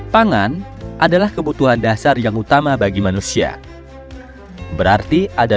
pangan adalah kebutuhan dasar yang utama bagi manusia berarti ada